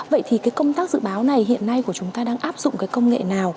vậy thì cái công tác dự báo này hiện nay của chúng ta đang áp dụng cái công nghệ nào